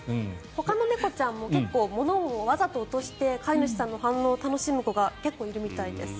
ほかの猫ちゃんも結構落として飼い主さんの反応を楽しむ子が結構いるみたいです。